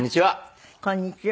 こんにちは！